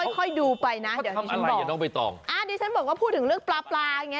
คุณค่ะค่อยดูไป